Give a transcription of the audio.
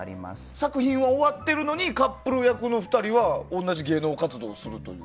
作品は終わってるのにカップル役の２人は同じ芸能活動をするという？